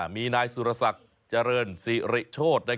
มีนายสุรสักห์จริริโชธ